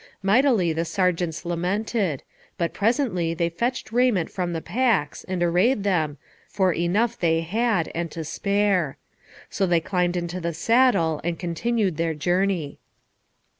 Mightily the sergeants lamented; but presently they fetched raiment from the packs, and arrayed them, for enough they had and to spare. So they climbed into the saddle, and continued their journey.